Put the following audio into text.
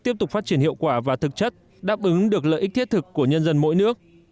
tiếp tục phát triển hiệu quả và thực chất đáp ứng được lợi ích thiết thực của nhân dân mỗi nước